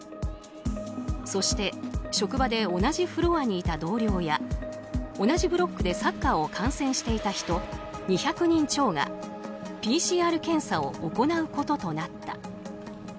そして職場で同じフロアにいた同僚や同じブロックでサッカーを観戦していた人２００人超がＰＣＲ検査を行うこととなった。